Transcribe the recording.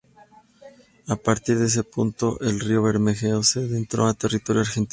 A partir de ese punto el río Bermejo se adentra en territorio argentino.